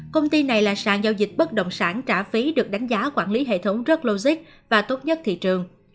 công ty này là sàn giao dịch bất động sản trả phí được đánh giá quản lý hệ thống rất logic và tốt nhất thị trường